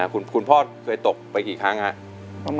คุณพ่อเคยตกไปกี่ครั้งครับ